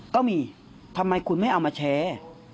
ก็มีทำไมคุณไม่เอามาแชร์